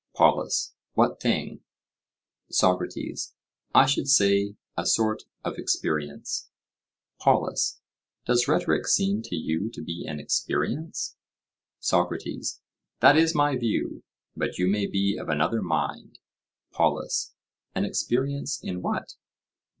POLUS: What thing? SOCRATES: I should say a sort of experience. POLUS: Does rhetoric seem to you to be an experience? SOCRATES: That is my view, but you may be of another mind. POLUS: An experience in what?